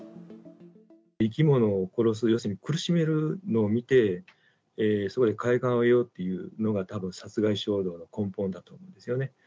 生き物を殺す、要するに、苦しめるのを見て、すごい快感を得ようっていうのが、たぶん殺害衝動の根本だと思うんですよね。